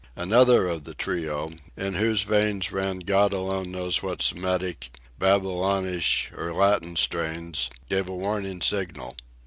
Another of the trio, in whose veins ran God alone knows what Semitic, Babylonish and Latin strains, gave a warning signal.